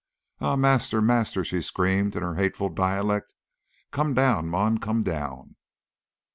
"Eh, maister, maister!" she screamed in her hateful dialect. "Come doun, mun; come doun!